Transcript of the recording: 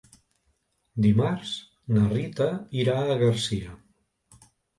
Dimarts na Rita irà a Garcia.